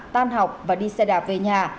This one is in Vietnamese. tan học và đi xe đạp về nhà